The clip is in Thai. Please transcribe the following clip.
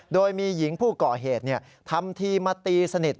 โดยมีหญิงผู้ก่อเหตุทำทีมาตีสนิท